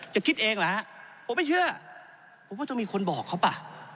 คิดเองเหรอฮะผมไม่เชื่อผมว่าต้องมีคนบอกเขาป่ะ